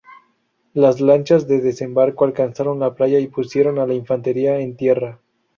Las lanchas de desembarco alcanzaron la playa y pusieron a la infantería en tierra.